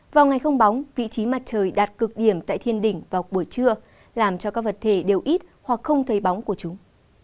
vào ngày không bóng vị trí mặt trời đạt cực điểm tại thiên đỉnh vào buổi trưa làm cho các vật thể đều ít hoặc không thấy bóng của chúng